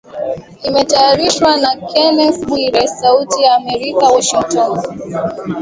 Imetayarishwa na Kennes Bwire, Sauti ya Amerika, Washington.